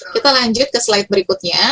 kita lanjut ke slide berikutnya